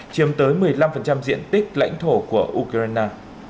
tiểm soát chiếm tới một mươi năm diện tích lãnh thổ của ukraine